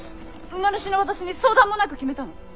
馬主の私に相談もなく決めたの？